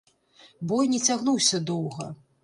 Бой не цягнуўся доўга.